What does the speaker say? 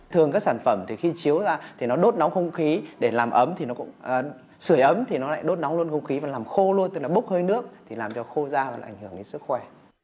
thường các sản phẩm khi chiếu ra thì nó đốt nóng không khí để làm ấm sửa ấm thì nó lại đốt nóng không khí và làm khô luôn tức là bốc hơi nước làm cho khô da và ảnh hưởng đến sức khỏe